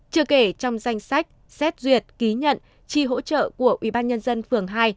chưa kể trong danh sách xét duyệt ký nhận chi hỗ trợ của ubnd phường hai